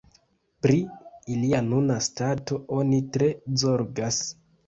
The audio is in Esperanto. Pri ilia nuna stato oni tre zorgas.